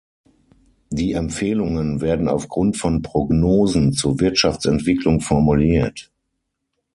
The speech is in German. Die Empfehlungen werden aufgrund von Prognosen zur Wirtschaftsentwicklung formuliert.